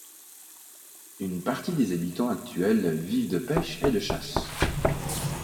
Une partie des habitants actuels vivent de pêche et de chasse.